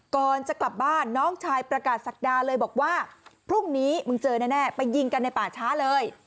ก่อนจะกลับบ้านน้องชายประกาศศักดาเลยบอกว่าพรุ่งนี้มึงเจอแน่ไปยิงกันในป่าช้าเลย